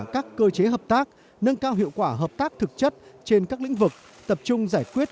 các cơ chế hợp tác nâng cao hiệu quả hợp tác thực chất trên các lĩnh vực tập trung giải quyết